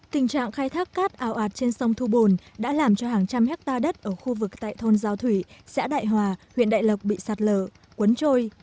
tình trạng khai thác cát ào ạt trên sông thu bồn đã làm cho hàng trăm hectare đất ở khu vực tại thôn giao thủy xã đại hòa huyện đại lộc bị sạt lở cuốn trôi